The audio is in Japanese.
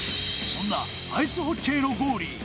そんなアイスホッケーのゴーリー